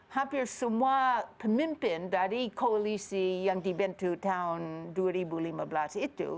hampir semua pemimpin dari koalisi yang dibentuk tahun dua ribu lima belas itu